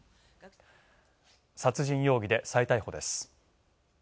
殺人容疑で再逮捕です。